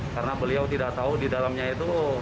karena beliau tidak tahu di dalamnya itu